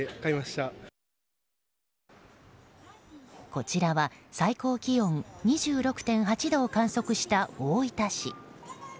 こちらは最高気温２６．８度を観測した大分市。